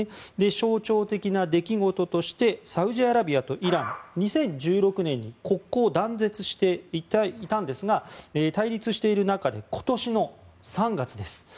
象徴的な出来事としてサウジアラビアとイランは２０１６年に国交を断絶していたんですが対立している中で今年３月です。